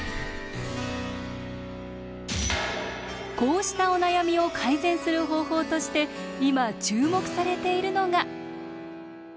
こうしたお悩みを改善する方法として今注目されているのが。